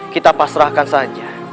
kita pasrahkan saja